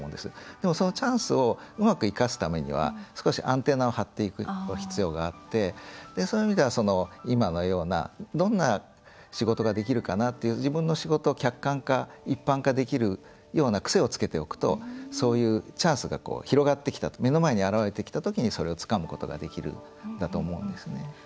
でも、そのチャンスをうまく生かすためには少しアンテナを張っていく必要があってそういう意味では、今のようなどんな仕事ができるかなっていう自分の仕事を客観化、一般化できるような癖をつけておくとそういうチャンスが目の前に現れてきた時にそれをつかむことができるんだと思うんですね。